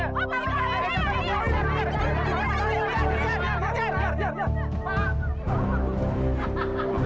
sampai jumpa di video selanjutnya